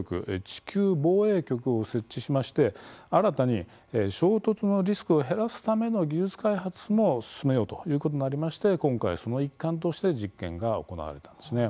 地球防衛局を設置しまして新たに衝突のリスクを減らすための技術開発も進めようということになりまして今回、その一環として実験が行われたんですね。